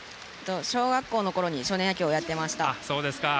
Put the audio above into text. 小学校のころに少年野球をやっていました。